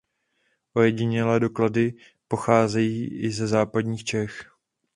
Ojedinělé doklady pocházejí i ze západních Čech.